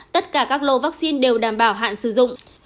tất cả các lô vaccine đều đảm bảo hạn sử dụng